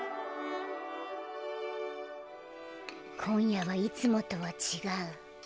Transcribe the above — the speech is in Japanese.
今夜はいつもとは違う。